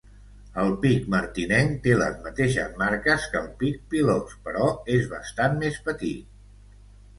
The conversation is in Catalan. El pic martinenc té les mateixes marques que el pic pilós però és bastant més petit.